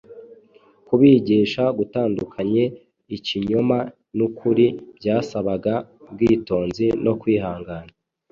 Kubigisha gutandukanye ikinyoma n’ukuri byasabaga ubwitonzi no kwihangana.